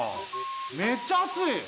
めっちゃあつい！